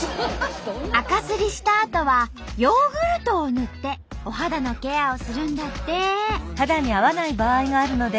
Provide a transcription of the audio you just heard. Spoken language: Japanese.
あかすりしたあとはヨーグルトを塗ってお肌のケアをするんだって！